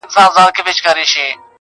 ما سوري كړي د ډبرو دېوالونه،